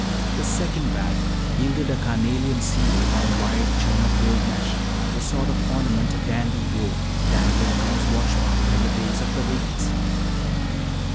The second bag yielded a carnelian seal on a wide chain of gold mesh, the sort of ornament a dandy wore dangling from his watch pocket in the days of the Regency.